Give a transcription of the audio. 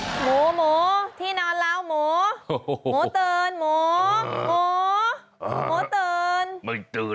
หมูที่นอนแล้วหมูหมูตื่นหมูหมูหมูตื่น